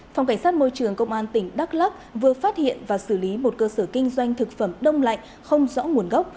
phòng cảnh sát môi trường công an tỉnh đắk lắc vừa phát hiện và xử lý một cơ sở kinh doanh thực phẩm đông lạnh không rõ nguồn gốc